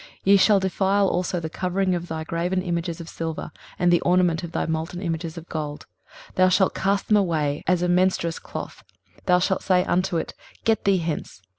23:030:022 Ye shall defile also the covering of thy graven images of silver, and the ornament of thy molten images of gold: thou shalt cast them away as a menstruous cloth; thou shalt say unto it, Get thee hence.